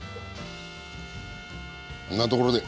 こんなところで。